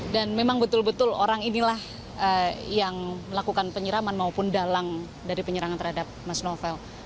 memang betul betul orang inilah yang melakukan penyiraman maupun dalang dari penyerangan terhadap mas novel